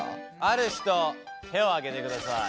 ある人手を挙げてください。